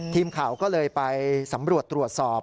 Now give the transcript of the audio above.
ทีมข่าวก็เลยไปสำรวจตรวจสอบ